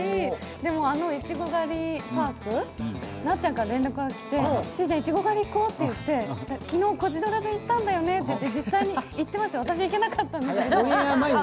でもあのいちご狩りパーク、なっちゃんから電話がかかってきていちご狩り行こうって言って昨日、「コジドラ」で行ったんだよねって、実際には私、行けなかったんですけど。